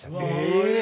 え⁉